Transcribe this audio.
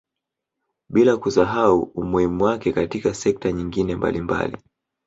Bila kusahau umuhimu wake katika sekta nyingine mbalimbali